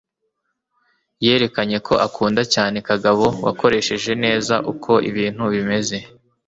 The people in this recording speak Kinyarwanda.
Yerekanye ko akunda cyane Kagabo wakoresheje neza uko ibintu bimeze,